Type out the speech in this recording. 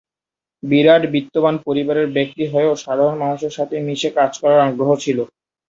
বিরাট বিত্তবান পরিবারের ব্যক্তি হয়েও সাধারণ মানুষের সাথে মিশে কাজ করার আগ্রহ ছিল।